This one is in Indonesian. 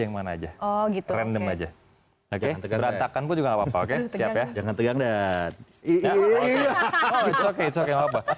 yang mana aja gitu plaque nya jalantegak rata kan pun juga apa oke siap hai jangan tegang nga